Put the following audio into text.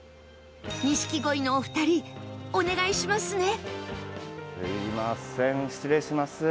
錦鯉のお二人お願いしますね